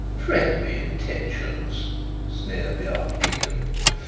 'Friendly intentions!' sneered the archdeacon.